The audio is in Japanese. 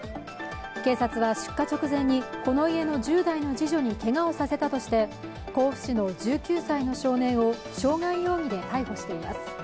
警察は出火直前にこの家の１０代の次女にけがをさせたとして甲府市の１９歳の少年を傷害容疑で逮捕しています。